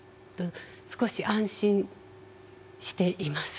少し安心しています。